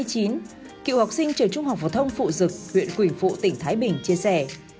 cựu học sinh trường trung học phổ thông phụ dực huyện quỳnh phụ tỉnh thái bình chia sẻ